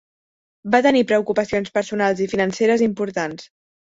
Va tenir preocupacions personals i financeres importants.